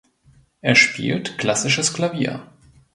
Er spielt klassisches Klavier.